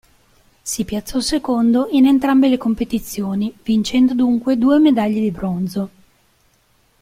Si piazzò secondo in entrambe le competizioni, vincendo dunque due medaglie di bronzo.